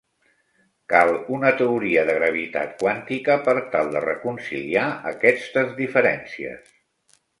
Cal una teoria de gravitat quàntica per tal de reconciliar aquestes diferències.